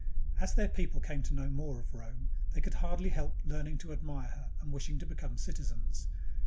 As their people came to know more of Rome, they could hardly help learning to admire her and wishing to become citizens.